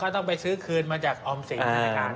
ต้องไปซื้อคืนมาจากออมสินธนาคาร